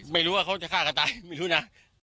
ไม่รู้ว่าเขาจะฆ่ากันตายไม่รู้นะ